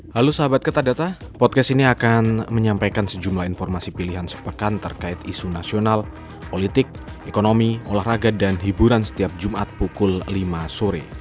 halo sahabat kertadata podcast ini akan menyampaikan sejumlah informasi pilihan sepekan terkait isu nasional politik ekonomi olahraga dan hiburan setiap jumat pukul lima sore